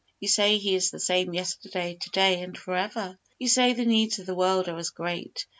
You say He is the same yesterday, to day and forever. You say the needs of the world are as great.